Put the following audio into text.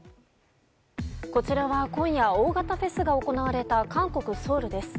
こちらは今夜大型フェスが行われた韓国ソウルです。